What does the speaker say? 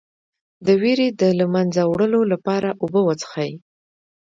د ویرې د له منځه وړلو لپاره اوبه وڅښئ